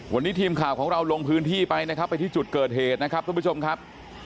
วันนี้ทีมข่าวของเราลงพื้นที่ไปนะครับไปที่จุดเกิดเหตุนะครับทุกผู้ชมครับ